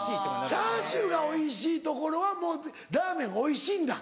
チャーシューがおいしい所はラーメンがおいしいんだ。